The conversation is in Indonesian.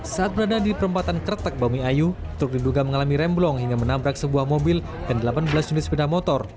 saat berada di perempatan kretek bami ayu truk diduga mengalami remblong hingga menabrak sebuah mobil dan delapan belas unit sepeda motor